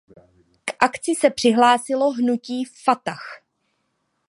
K akci se přihlásilo hnutí Fatah.